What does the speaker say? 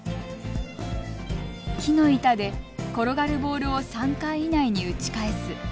木の板で転がるボールを３回以内に打ち返す。